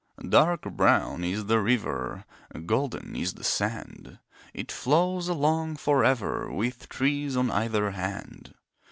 Dark brown is the river, Golden is the sand. It flows along for ever, With trees on either hand.